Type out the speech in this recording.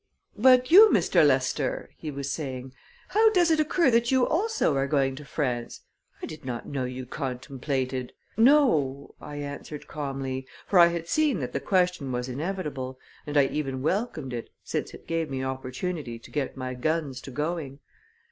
"But you, Mistair Lester," he was saying, "how does it occur that you also are going to France? I did not know you contemplated " "No," I answered calmly, for I had seen that the question was inevitable and I even welcomed it, since it gave me opportunity to get my guns to going.